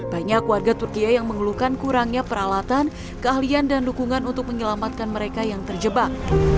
banyak warga turkiya yang mengeluhkan kurangnya peralatan keahlian dan dukungan untuk menyelamatkan mereka yang terjebak